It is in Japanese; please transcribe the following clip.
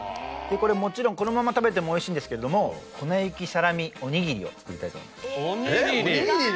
もちろんこのまま食べてもおいしいんですけれども。を作りたいと思います。